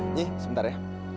nyi sebentar ya